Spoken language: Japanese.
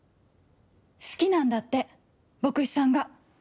好きなんだって、牧師さんが。